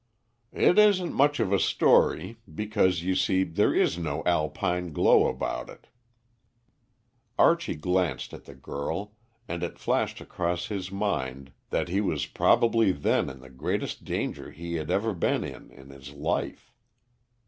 "It isn't much of a story, because, you see, there is no Alpine glow about it." Archie glanced at the girl, and it flashed across his mind that he was probably then in the greatest danger he had ever been in, in his life.